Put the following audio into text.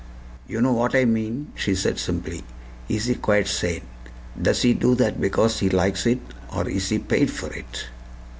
"You know what I mean," she said simply. "Is he quite sane? Does he do that because he likes it, or is he paid for it?"